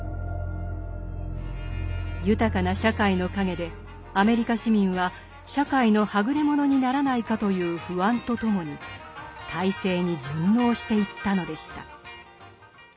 豊かな社会の陰でアメリカ市民は社会のはぐれ者にならないかという不安とともに体制に順応していったのでした。